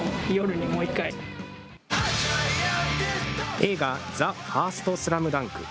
映画、ＴＨＥＦＩＲＳＴＳＬＡＭＤＵＮＫ。